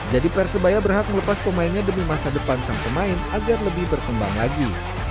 jadi persebaya berhak melepas pemainnya demi masa depan sang pemain agar lebih berkembang lagi